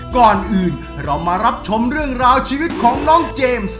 ก่อนอื่นเรามารับชมเรื่องราวชีวิตของน้องเจมส์